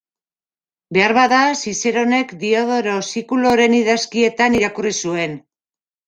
Beharbada, Zizeronek Diodoro Sikuloren idazkietan irakurri zuen.